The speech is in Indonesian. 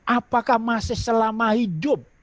apakah masih selama hidup